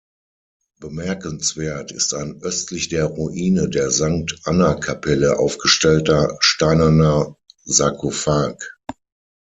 Bemerkenswert ist ein östlich der Ruine der Sankt-Anna-Kapelle aufgestellter steinerner Sarkophag.